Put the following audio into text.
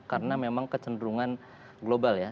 karena memang kecenderungan global ya